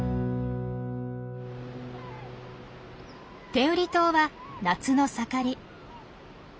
天売島は夏の盛り。